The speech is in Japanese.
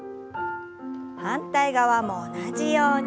反対側も同じように。